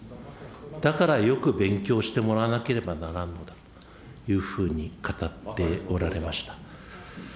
だからよく勉強してもらわなければならんのだというふうに語っておられました。